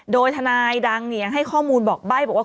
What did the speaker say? โดยทนายดังให้ข้อมูลบอกใบ้บอกว่า